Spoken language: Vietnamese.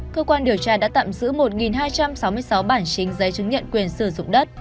cơ quan điều tra đã tạm giữ một hai trăm sáu mươi sáu bản chính giấy chứng nhận quyền sử dụng đất